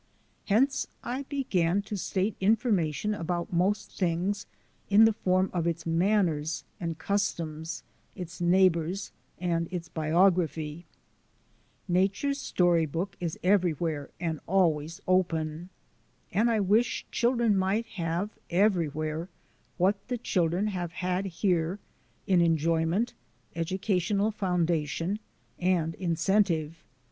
Hence I began to state information about most things in the form of its manners and customs, its neighbours and its biog raphy. Nature's storybook is everywhere and always open. And I wish children might have everywhere what the children have had here in enjoyment, educational foundation, and incentive.